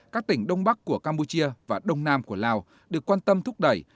các tỉnh đông bắc của campuchia và đông nam của lào được quan tâm thúc đẩy